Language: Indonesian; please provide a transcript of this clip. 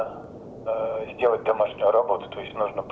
sampai tidak ada pertemuan yang berasal dari sisi masyarakat